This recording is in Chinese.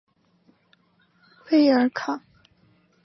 贝尔卢。